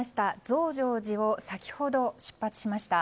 増上寺を先ほど出発しました。